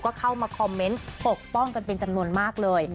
ก็เข้ามาคอมเมนต์ปกป้องกันเป็นจำนวนมากเลย